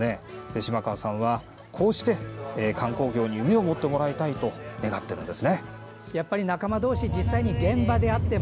島川さんはこうして観光業に夢を持ってもらいたいと願っています。